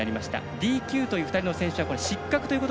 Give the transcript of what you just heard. ＤＱという２人の選手は失格。